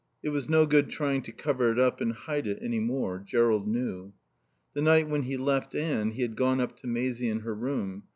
It was no good trying to cover it up and hide it any more. Jerrold knew. The night when he left Anne he had gone up to Maisie in her room.